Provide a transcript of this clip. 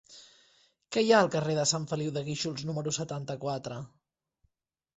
Què hi ha al carrer de Sant Feliu de Guíxols número setanta-quatre?